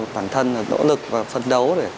bản thân nỗ lực và phân đấu